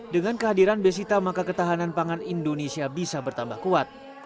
dengan kehadiran besita maka ketahanan pangan indonesia bisa bertambah kuat